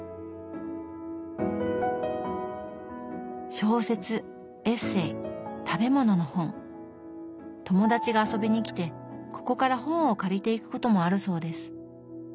小説エッセー食べ物の本友達が遊びに来てここから本を借りていくこともあるそうです。